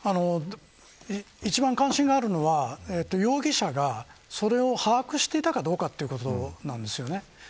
一番関心があるのは容疑者がそれを把握していたかどうかということなんですよね。